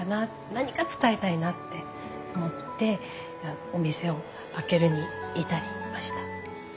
何か伝えたいなって思ってお店を開けるに至りました。